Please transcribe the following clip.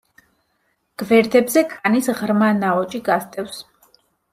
გვერდებზე კანის ღრმა ნაოჭი გასდევს.